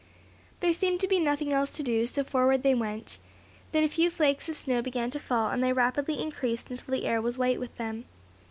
There seemed to be nothing else to do, so forward they went. Then a few flakes of snow began to fall, and they rapidly increased until the air was white with them.